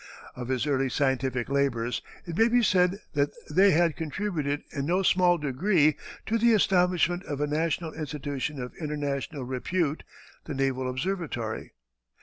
Of his early scientific labors it may be said that they had contributed in no small degree to the establishment of a national institution of international repute, the Naval Observatory.